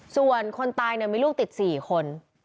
ส่วนคนตายเนี่ยมีลูกติดสี่คน